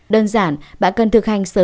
đơn giản bạn cần thực hành sớm tập thở